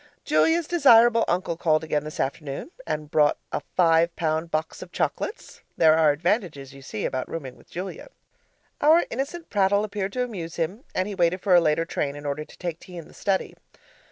Julia's desirable uncle called again this afternoon and brought a five pound box of chocolates. There are advantages, you see, about rooming with Julia. Our innocent prattle appeared to amuse him and he waited for a later train in order to take tea in the study.